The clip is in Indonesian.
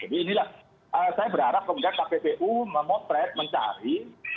jadi inilah saya berharap kemudian kppo memotret mencari